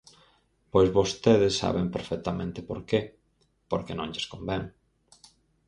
Pois vostedes saben perfectamente por que: porque non lles convén.